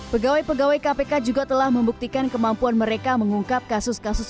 pegawai pegawai kpk juga telah membuktikan kemampuan mereka mengungkap kasus kasus